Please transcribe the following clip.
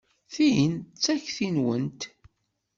Tin d takti-nwent.